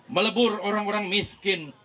melebur orang orang miskin